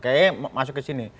kayaknya masuk ke sini